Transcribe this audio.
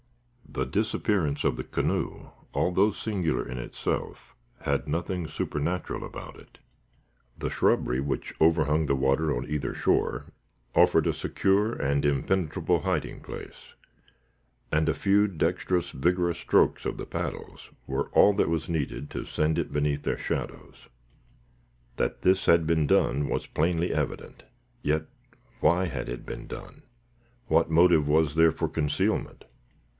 The disappearance of the canoe, although singular in itself, had nothing supernatural about it. The shrubbery, which overhung the water on either shore, offered a secure and impenetrable hiding place, and a few dexterous, vigorous strokes of the paddles were all that was needed to send it beneath their shadows. That this had been done, was plainly evident. Yet why had it been done? What motive was there for concealment?